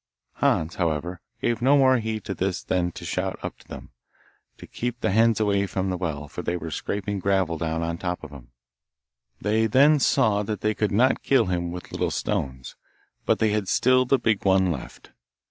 Hans, however, gave no more heed to this than to shout up to them, to keep the hens away from the well, for they were scraping gravel down on the top of him. They then saw that they could not kill him with little stones, but they had still the big one left.